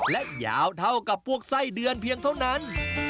และยาวเท่ากับพวกไส้เดือนเพียงเท่านั้น